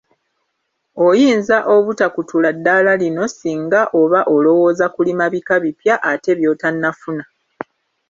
Oyinza obutakutula ddaala lino singa oba olowooza kulima bika bipya ate by’otannafuna.